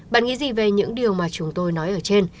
bạn nghĩ gì về những điều mà chúng tôi nói ở trên